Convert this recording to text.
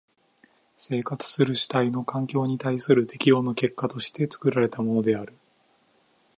生活する主体の環境に対する適応の結果として作られたものである。